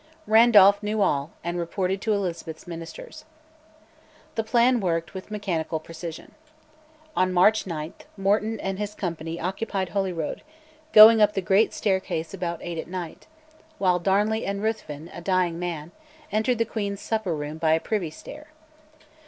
Randolph knew all and reported to Elizabeth's ministers. The plan worked with mechanical precision. On March 9 Morton and his company occupied Holyrood, going up the great staircase about eight at night; while Darnley and Ruthven, a dying man, entered the queen's supper room by a privy stair.